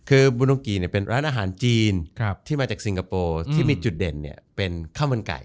คือบูนงกีเป็นร้านอาหารจีนที่มาจากสิงคโปร์ที่มีจุดเด่นเป็นข้าวมันไก่